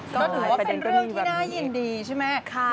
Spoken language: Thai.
ก็ถือว่าเป็นเรื่องที่น่ายินดีใช่ไหม